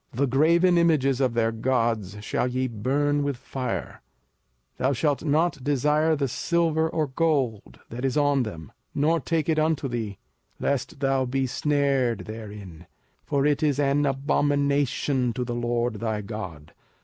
05:007:025 The graven images of their gods shall ye burn with fire: thou shalt not desire the silver or gold that is on them, nor take it unto thee, lest thou be snared therin: for it is an abomination to the LORD thy God.